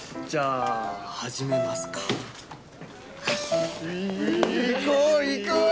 じゃあ始めますか？